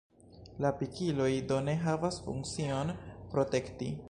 La pikiloj do ne havas funkcion protekti.